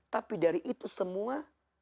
tapi dari itu semua